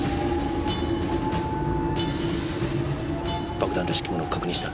爆弾らしき物を確認した。